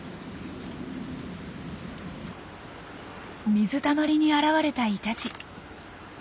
水たまりに現れたイタチ。